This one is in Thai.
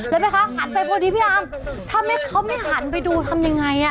แล้วแม่คะหันไปพอดีพี่อามทำให้เขาไม่หันไปดูทำยังไง